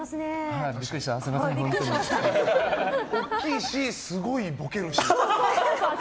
大きいし、すごいボケるし。